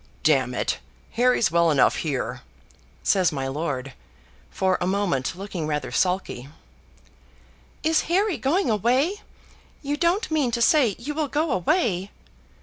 "D n it, Harry's well enough here," says my lord, for a moment looking rather sulky. "Is Harry going away? You don't mean to say you will go away?"